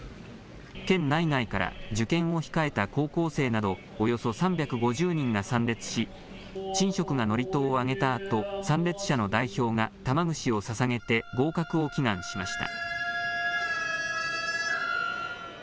県内外から受験を控えた高校生などおよそ３５０人が参列し神職が祝詞を上げたあと参列者の代表が玉串をささげて合格を祈願しました。